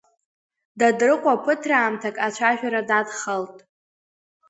Дадрыҟәа ԥыҭраамҭак ацәажәара дадхалт.